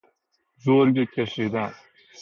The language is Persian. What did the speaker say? جرگه کشیدن